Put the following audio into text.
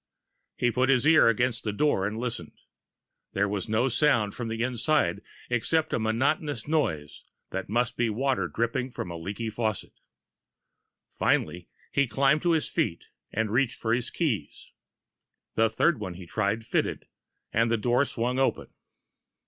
He put his ear against the door and listened. There was no sound from inside except a monotonous noise that must be water dripping from a leaky faucet. Finally, he climbed to his feet and reached for his keys. The third one he tried fitted, and the door swung open.